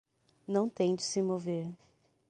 Não tente se mover.